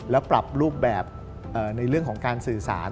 แล้วปรับรูปแบบในเรื่องของการสื่อสาร